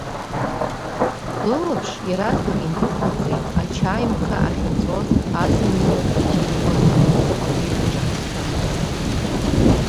Лылаԥш иаразнак индәықәлҵеит ачаимхы ахьынҵәоз азымҩарак аҿы иҟаз ахәы ҵаҟатәи аҿаҟьахьы.